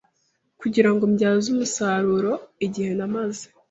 kugirango mbyaze umusaruro igihe namaze